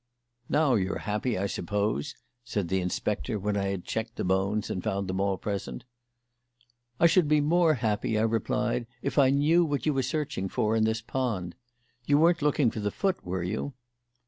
"Now you're happy, I suppose," said the inspector when I had checked the bones and found them all present. "I should be more happy," I replied, "if I knew what you were searching for in this pond. You weren't looking for the foot, were you?"